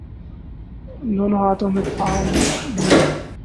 دونوں ہاتھوں میں تھام لیا۔